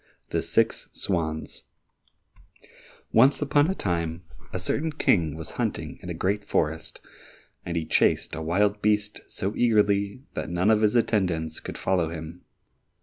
49 The Six Swans Once upon a time, a certain King was hunting in a great forest, and he chased a wild beast so eagerly that none of his attendants could follow him.